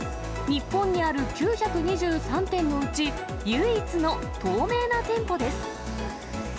日本にある９２３店のうち、唯一の透明な店舗です。